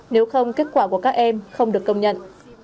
nếu không kết quả của các em không được công nhận